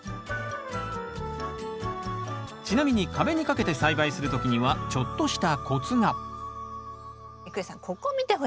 ちなみに壁に掛けて栽培する時にはちょっとしたコツが郁恵さんここ見てほしいんですよ。